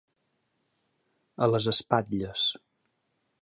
A les espatlles.